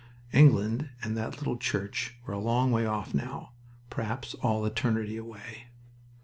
England and that little church were a long way off now, perhaps all eternity away.